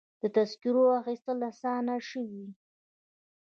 د تذکرو اخیستل اسانه شوي؟